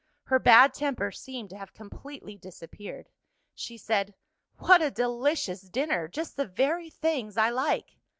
Her bad temper seemed to have completely disappeared. She said, "What a delicious dinner! Just the very things I like."